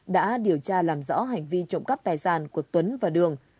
đã điều tra làm rõ hành vi trộm cắp tài sản của tuấn và đường